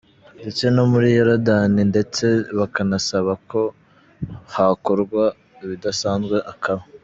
ndetse no muri Yorodaniya, ndetse bakanasaba ko hakorwa ibidasanzwe akaba.